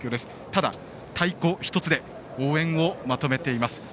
ただ、太鼓１つで応援をまとめています。